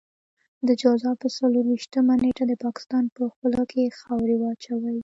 د جوزا په څلور وېشتمه نېټه د پاکستان په خوله کې خاورې واچوئ.